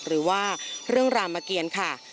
หรือว่าเครื่องรามเกียรค่ะ